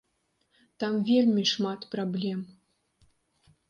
Там вельмі шмат праблем!